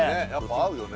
合うよね